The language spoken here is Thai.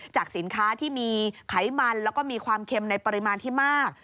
สินค้าที่มีไขมันแล้วก็มีความเค็มในปริมาณที่มาก